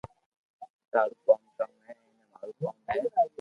ٿارو ڪوم ڪاو ھي ايئي مارو ڪوم ھي